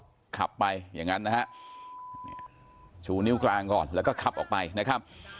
ก็ขับไปอย่างนั้นนะนิ้วกลางก่อนแล้วก็ครับออกไปนะครับ